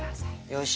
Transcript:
よし！